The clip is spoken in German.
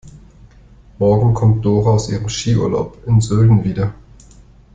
Morgen kommt Dora aus ihrem Skiurlaub in Sölden wieder.